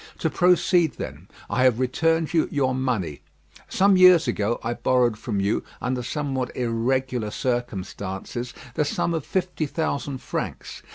"To proceed then. "I have returned you your money. "Some years ago, I borrowed from you, under somewhat irregular circumstances, the sum of fifty thousand francs.